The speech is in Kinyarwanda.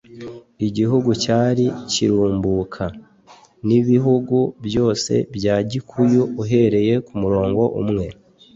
igihugu cyari kirumbuka. nibihugu byose bya gikuyu uhereye kumurongo umwe